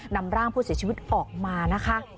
นำร่างผู้เสียชีวิตออกมานะคะ